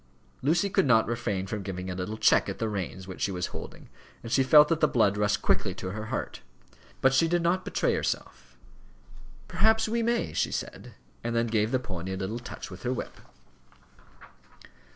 Lucy could not refrain from giving a little check at the reins which she was holding, and she felt that the blood rushed quickly to her heart. But she did not betray herself. "Perhaps he may," she said, and then gave the pony a little touch with her whip.